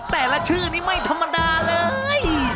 แต่ละชื่อนี้ไม่ธรรมดาเลย